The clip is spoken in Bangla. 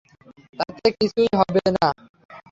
তাতে কিছুই হবে না।